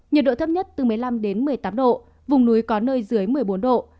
nhiệt độ thấp nhất từ một mươi năm một mươi tám độ vùng núi có nơi dưới một mươi bốn độ